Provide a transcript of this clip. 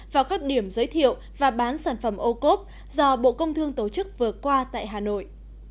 vào các điểm giới thiệu và bán sản phẩm ô cốp do bộ công thương tổ chức vừa qua tại hà nội